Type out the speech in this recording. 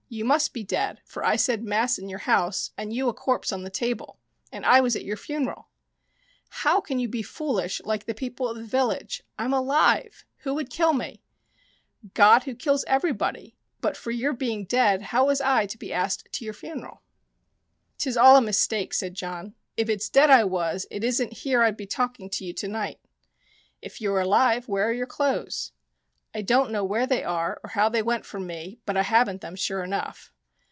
You must be dead, for I said mass in your house, and you a corpse on the table, and I was at your funeral." "How can you be foolish like the people of the village ? I'm alive. Who would kill me ?"" God, who kills everybody, and but for your being dead, how was I to be asked to your funeral ?"" 'Tis all a mistake," said John. " If it's dead I was it isn't here I'd be talking to you to night." " If you are alive, where are your clothes ?"" I don't know where they are or how they went from me, but I haven't them, sure enough."